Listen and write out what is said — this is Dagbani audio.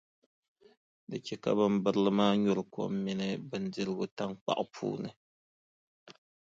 Di chɛri ka bimbirili maa nyuri kom mini bindirigu taŋkpaɣu puuni.